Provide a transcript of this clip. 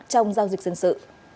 trong giao dịch dân sự